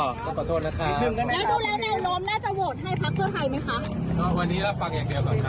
ขอบคุณค่ะ